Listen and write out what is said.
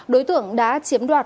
đối tượng đã chiếm đoạt